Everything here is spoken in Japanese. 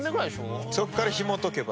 そっからひもとけば。